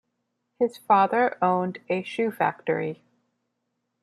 His father owned a shoe factory.